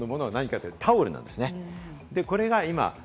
熊取町のものは何かというとタオルです。